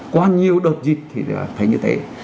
qua nhiều đợt dịch thì thấy như thế